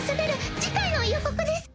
次回の予告です